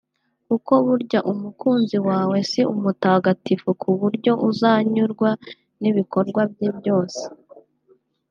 kuko burya umukunzi wawe si umutagatifu ku buryo uzanyurwa n’ibikorwa bye byose